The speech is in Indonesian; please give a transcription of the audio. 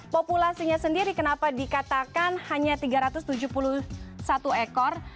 populasinya sendiri kenapa dikatakan hanya tiga ratus tujuh puluh satu ekor